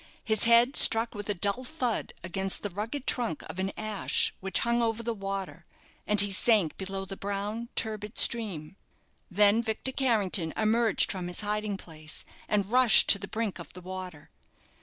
His head struck with a dull thud against the rugged trunk of an ash which hung over the water, and he sank below the brown, turbid stream. Then Victor Carrington emerged from his hiding place, and rushed to the brink of the water.